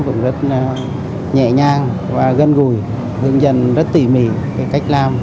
em cũng rất nhẹ nhàng và gân gùi hướng dẫn rất tỉ mỉ cách làm